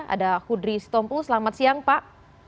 ada kudri sitompul selamat siang pak